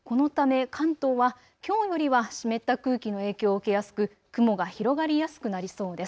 このため関東はきょうよりは湿った空気の影響を受けやすく雲が広がりやすくなりそうです。